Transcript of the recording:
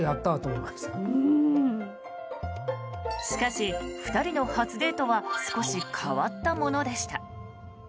しかし２人の初デートは少し変わったものでした。